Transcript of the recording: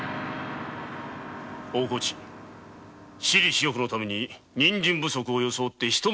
私利私欲のため人参不足を装い